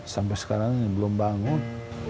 sampai sekarang belum bangun